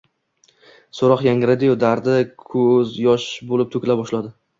Soʻroq yangradiyu, dardi koʻz yosh boʻlib toʻkila boshladi